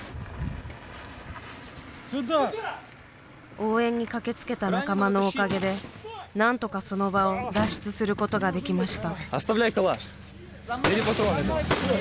応援に駆けつけた仲間のおかげで何とかその場を脱出することができました。